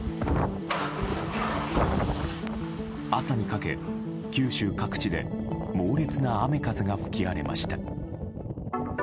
朝にかけ、九州各地で猛烈な雨風が吹き荒れました。